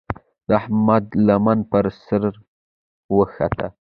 د احمد لمن پر سر واوښته.